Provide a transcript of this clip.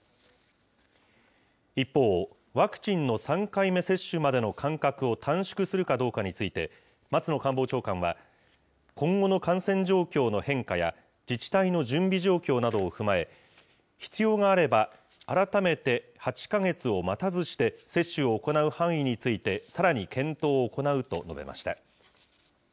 一方、ワクチンの３回目接種までの間隔を短縮するかどうかについて、松野官房長官は、今後の感染状況の変化や、自治体の準備状況などを踏まえ、必要があれば、改めて８か月を待たずして、接種を行う範囲についてさらに検討を行うと述べました。